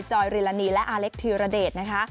อยริลานีและอาเล็กธีรเดชนะคะ